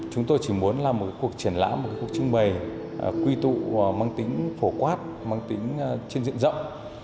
chúng tôi chỉ muốn làm một cuộc triển lãm một cuộc trưng bày quy tụ mang tính phổ quát mang tính trên diện rộng